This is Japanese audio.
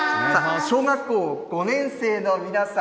小学校５年生の皆さん。